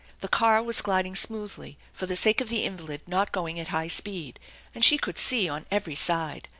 The car was gliding smoothly, for the sake of the invalid not going at high speed; and she could see on every side.